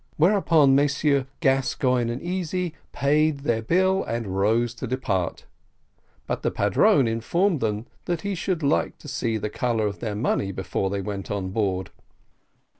Whereupon Messrs. Gascoigne and Easy paid their bill and rose to depart, but the padrone informed them that he should like to see the colour of their money before they went on board.